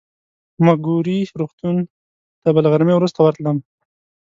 مګوري روغتون ته به له غرمې وروسته ورتلم.